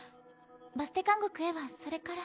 バステ監獄へはそれから。